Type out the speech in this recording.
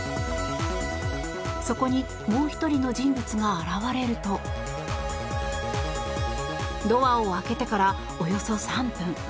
そこにもう１人の人物が現れるとドアを開けてから、およそ３分。